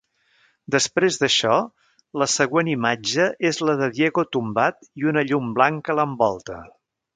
Després d'això, la següent imatge és la de Diego tombat i una llum blanca l'envolta.